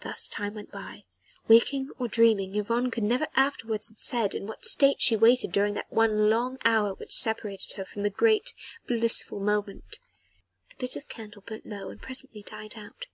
Thus time went by waking or dreaming, Yvonne could never afterwards have said in what state she waited during that one long hour which separated her from the great, blissful moment. The bit of candle burnt low and presently died out.